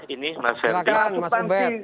ini mas ubed silahkan mas ubed